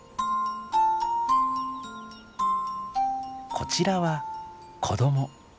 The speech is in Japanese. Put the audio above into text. こちらは子ども。